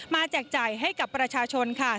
มาแจกใจให้กับประชาชนค่ะ